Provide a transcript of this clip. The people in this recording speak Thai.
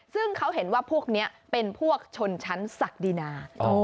ซึ่งเขาเห็นว่าพวกนี้เป็นพวกชนชั้นศักดินา